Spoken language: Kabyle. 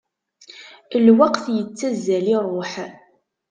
Lweqt ittazzal iruḥ.